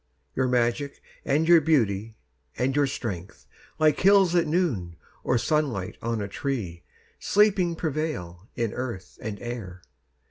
... Your magic and your beauty and your strength, Like hills at noon or sunlight on a tree, Sleeping prevail in earth and air.